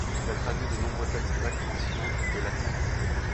Il a traduit de nombreux textes grecs anciens et latins.